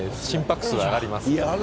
心拍数上がります。